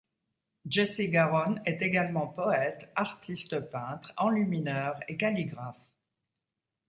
Jesse Garon est également poète, artiste-peintre, enlumineur et calligraphe.